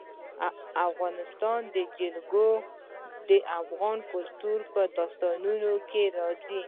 د افغانستان جلکو د افغان کلتور په داستانونو کې راځي.